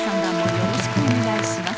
よろしくお願いします